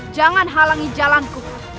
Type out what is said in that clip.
jangan halangi jalanku